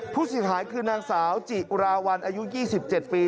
ผู้เสียหายคือนางสาวจิราวัลอายุ๒๗ปี